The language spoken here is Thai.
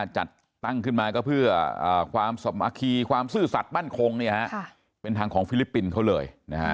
จัดตั้งขึ้นมาก็เพื่อความสามัคคีความซื่อสัตว์มั่นคงเป็นทางของฟิลิปปินส์เขาเลย